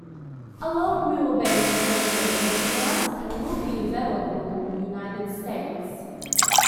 A long wheelbase version was announced and will be available in the United States.